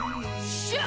っしゃあ！